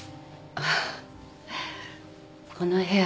あこの部屋